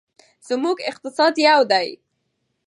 زموږ اقتصاد یو دی.